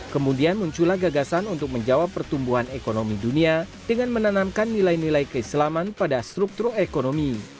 kemudian muncullah gagasan untuk menjawab pertumbuhan ekonomi dunia dengan menanamkan nilai nilai keislaman pada struktur ekonomi